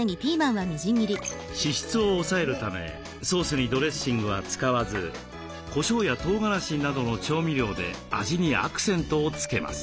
脂質を抑えるためソースにドレッシングは使わずこしょうやとうがらしなどの調味料で味にアクセントをつけます。